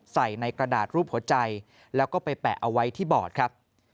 ใส่ในกระดาษรูปหัวใจแล้วก็ไปแปะเอาไว้ที่บอดครับ